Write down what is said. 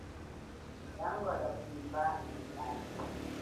Tangwa lia kwimba yitavi.